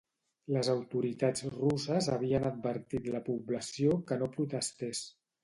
Les autoritats russes havien advertit la població que no protestés.